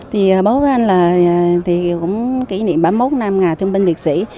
thì bố quảng nam cũng kỷ niệm ba mươi một năm ngà thương binh việt sĩ